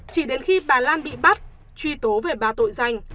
chỉ đến khi bà lan bị bắt truy tố về ba tội danh